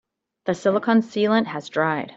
The silicon sealant has dried.